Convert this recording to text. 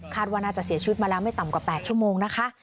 ว่าน่าจะเสียชีวิตมาแล้วไม่ต่ำกว่า๘ชั่วโมงนะคะ